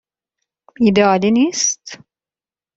ایده عالی نیست؟